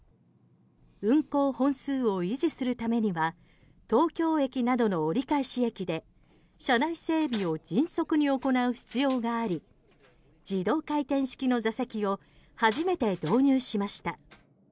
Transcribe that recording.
運行本数を維持するためには東京駅などの折り返し駅で車内整備を迅速に行う必要があり自動回転式の座席を初めて導入しました。